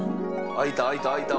開いた開いた開いた！